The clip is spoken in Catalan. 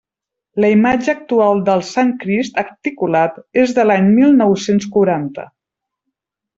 La imatge actual del Sant Crist articulat és de l'any mil nou-cents quaranta.